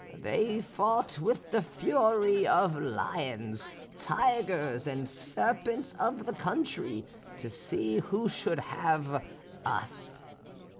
They fought with the fury of the lions, tigers, and serpents of the country, to see who should have us.